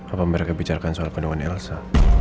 apa mereka bicarkan soal penuh dengan elsa